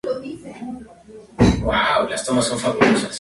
Los grupos profesionales son a menudo más pequeños.